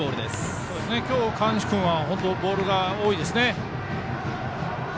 今日、河西君はボールが多いですね。